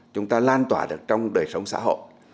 chúng ta lan tỏa được trong đời sống xã hội